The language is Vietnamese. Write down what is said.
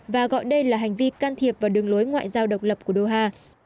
và gọi đây là hành vi can thiệp vào đường lối ngoại giao độc lập của doha